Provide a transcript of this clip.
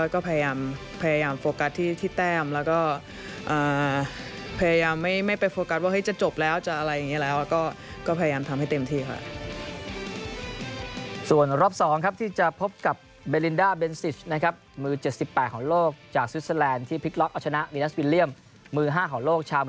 ก็พยายามโฟกัสที่แต้มแล้วก็พยายามไม่ไปโฟกัสว่าจะจบแล้วจะอะไรอย่างนี้แล้ว